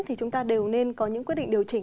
thì chúng ta đều nên có những quyết định điều chỉnh